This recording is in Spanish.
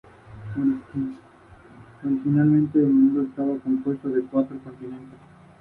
Posteriormente trabajó en la Academia de Guerra de Santiago.